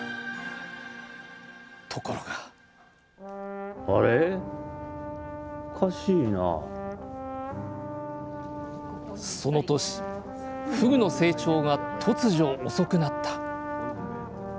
ところがその年ふぐの成長が突如遅くなった。